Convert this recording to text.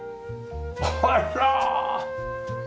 あら！